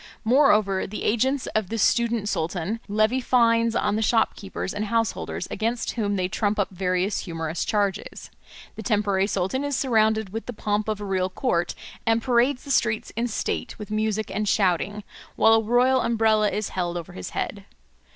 Moreover, the agents of the student sultan levy fines on the shopkeepers and householders, against whom they trump up various humorous charges. The temporary sultan is surrounded with the pomp of a real court, and parades the streets in state with music and shouting, while a royal umbrella is held over his head.